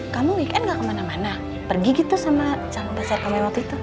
kamu weekend gak kemana mana pergi gitu sama calon pasar kamerot itu